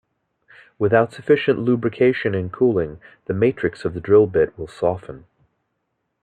Without sufficient lubrication and cooling, the matrix of the drill bit will soften.